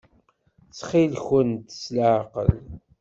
Ttxil-kent s leɛqel.